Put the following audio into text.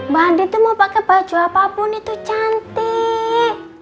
mbak andin tuh mau pake baju apapun itu cantik